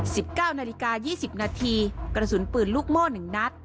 สิบเก้านาฬิกายี่สิบนาทีกระสุนปืนลูกโม่หนึ่งนัด